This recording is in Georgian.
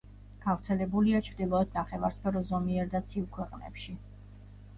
გავრცელებულია ჩრდილოეთ ნახევარსფეროს ზომიერ და ცივ ქვეყნებში.